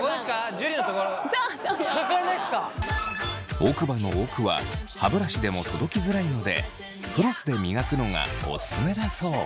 奥歯の奥は歯ブラシでも届きづらいのでフロスで磨くのがオススメだそう。